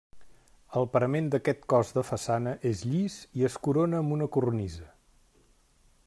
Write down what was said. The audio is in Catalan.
El parament d'aquest cos de façana és llis i es corona amb una cornisa.